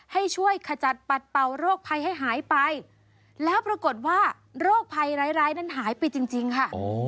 ให้ช่วยขจัดปัดเป่าโรคภัยให้หายไปแล้วปรากฏว่าโรคภัยร้ายนั้นหายไปจริงค่ะ